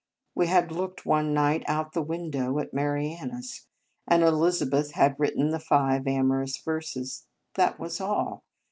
We had looked one night out of the window at Marianus, and Elizabeth had written the five amorous verses. That was all.